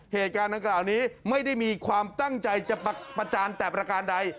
เหตุการณ์ดังกล่าวนี้ไม่ได้มีความตั้งใจจะประจานแต่ประการใด